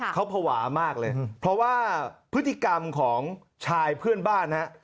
เขาภาวะมากเลยเพราะว่าพฤติกรรมของชายเพื่อนบ้านฮะ